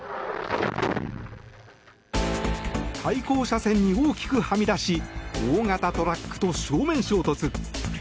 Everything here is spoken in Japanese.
対向車線に大きくはみ出し大型トラックと正面衝突。